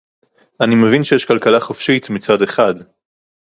אני מבין שיש כלכלה חופשית מצד אחד